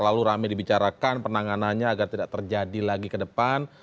lalu rame dibicarakan penanganannya agar tidak terjadi lagi ke depan